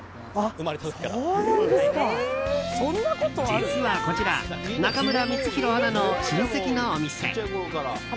実はこちら中村光宏アナの親戚のお店。